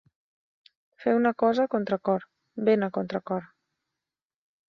Fer una cosa a contracor, ben a contracor.